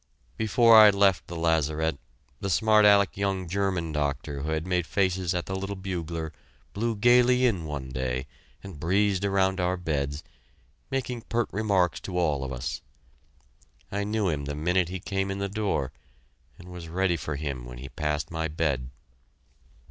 Before I left the lazaret, the smart Alec young German doctor who had made faces at the little bugler blew gaily in one day and breezed around our beds, making pert remarks to all of us. I knew him the minute he came in the door, and was ready for him when he passed my bed.